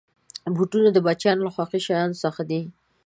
بوټونه د بچیانو له خوښې شيانو څخه دي.